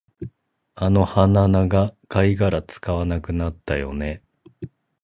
あの鼻長、貝殻使わなくなったよね